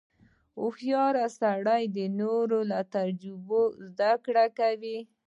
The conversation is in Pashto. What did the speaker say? • هوښیار سړی د نورو له تجربو زدهکړه کوي.